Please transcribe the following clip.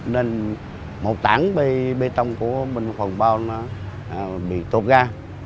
nên một tảng bê tông của mình phần bao nó bị tột ra